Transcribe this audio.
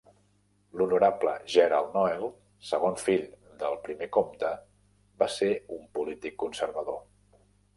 L'honorable Gerard Noel, segon fill del primer comte, va ser un polític conservador.